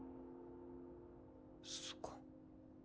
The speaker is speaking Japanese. そっか。